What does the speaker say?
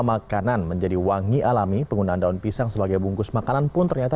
makanan menjadi wangi alami penggunaan daun pisang sebagai bungkus makanan pun ternyata